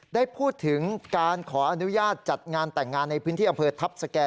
ได้พูดถึงการขออนุญาตจัดงานแต่งงานในพื้นที่อำเภอทัพสแก่